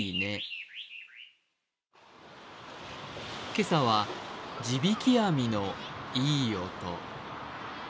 今朝は地引き網のいい音。